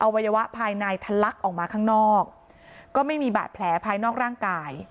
วัยวะภายในทะลักออกมาข้างนอกก็ไม่มีบาดแผลภายนอกร่างกาย